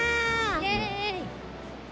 イエーイ！